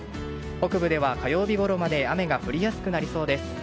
北部では火曜日ごろまで雨が降りやすくなりそうです。